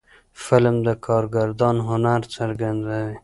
فلم د کارگردان هنر څرګندوي